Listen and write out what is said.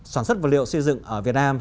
sản xuất vật liệu xây dựng ở việt nam